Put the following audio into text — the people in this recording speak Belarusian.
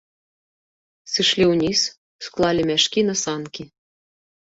Сышлі ўніз, усклалі мяшкі на санкі.